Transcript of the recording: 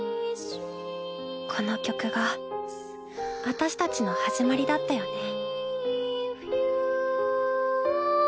この曲が私たちの始まりだったよね。